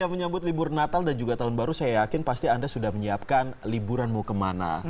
menyambut libur natal dan juga tahun baru saya yakin pasti anda sudah menyiapkan liburan mau kemana